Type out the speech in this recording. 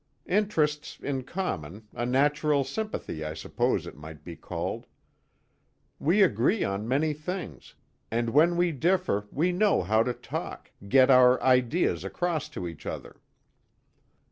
Interests in common, a natural sympathy I suppose it might be called. We agree on many things, and when we differ we know how to talk, get our ideas across to each other."